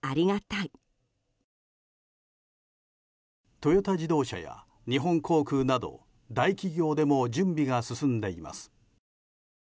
トヨタ自動車や日本航空など大企業でも準備が進んでいます。